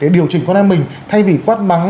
điều chỉnh con em mình thay vì quát mắng